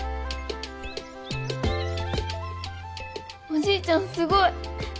おじいちゃんすごい。